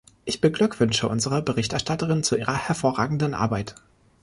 Ich beglückwünsche unsere Berichterstatterin zu ihrer hervorragenden Arbeit.